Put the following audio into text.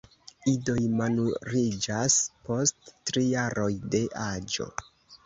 Idoj maturiĝas post tri jaroj de aĝo.